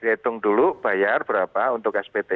hitung dulu bayar berapa untuk spt